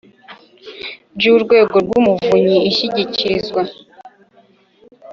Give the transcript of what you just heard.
by Urwego rw Umuvunyi ishyikirizwa